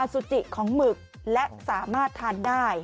สุจิของหมึกและสามารถทานได้